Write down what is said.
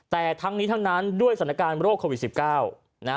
แต่ทั้งนี้ทั้งนั้นด้วยสถานการณ์โรคโควิด๑๙นะฮะ